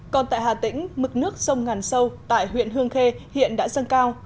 còn tại hà tĩnh mực nước sông ngàn sâu tại huyện hương khê hiện đã dâng cao